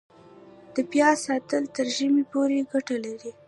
د پیاز ساتل تر ژمي پورې ګټه لري؟